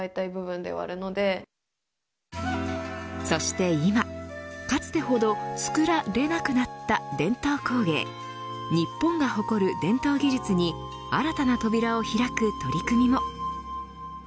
そして今かつてほど作られなくなった伝統工芸日本が誇る伝統技術に新たな扉を開く取り組みも。